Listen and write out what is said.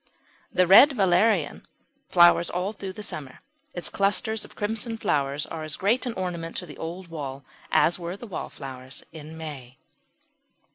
The Red Valerian flowers all through the summer. Its clusters of crimson flowers are as great an ornament to the old wall as were the wallflowers in May.